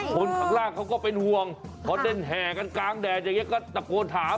คนข้างล่างเขาก็เป็นห่วงเขาเล่นแห่กันกลางแดดอย่างนี้ก็ตะโกนถาม